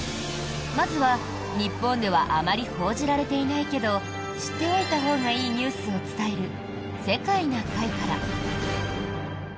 まずは、日本ではあまり報じられていないけど知っておいたほうがいいニュースを伝える「世界な会」から！